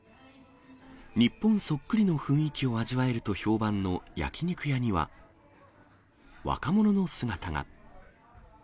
日本そっくりの雰囲気を味わえると評判の焼き肉屋には、若者の姿が。